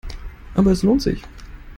Aber es lohnt sich.